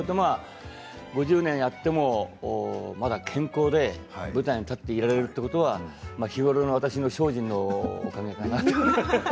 ５０年やってもまだ健康で舞台に立っていられるということは日頃の私の精進のおかげかなと。